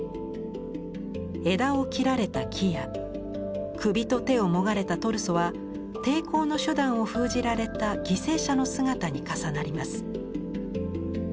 枝を切られた木や首と手をもがれたトルソは抵抗の手段を封じられた「犠牲者」の姿に重なります。